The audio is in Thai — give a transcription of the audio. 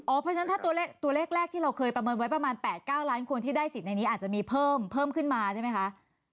เพราะฉะนั้นถ้าตัวเลขแรกที่เราเคยประเมินไว้ประมาณ๘๙ล้านคนที่ได้สิทธิ์ในนี้อาจจะมีเพิ่มขึ้นมาใช่ไหมคะ